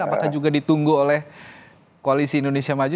apakah juga ditunggu oleh koalisi indonesia maju